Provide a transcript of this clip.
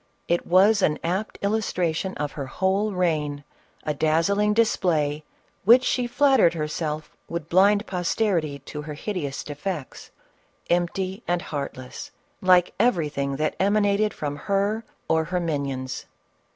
It was an apt illustration of her whole reign — a dazzling display which she flattered herself would blind posterity to her hideous defects — empty and heartless like everything that emanated from her or her minions.